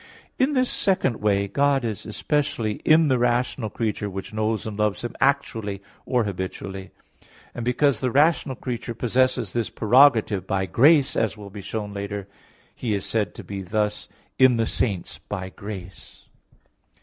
In this second way God is especially in the rational creature which knows and loves Him actually or habitually. And because the rational creature possesses this prerogative by grace, as will be shown later (Q. 12). He is said to be thus in the saints by grace.